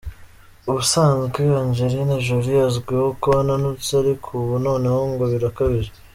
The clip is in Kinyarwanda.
Ubusanzwe Angelina Jolie azwiho ko ananutse ariko ubu noneho ngo birakabije.